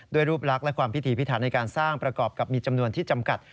ด้วยรูปลักษณ์และความพิธีพิถันในการสร้างประกอบกับมีจำนวนที่จำกัด